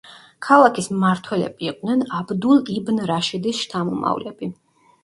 ქალაქის მმართველები იყვნენ აბდულ იბნ რაშიდის შთამომავლები.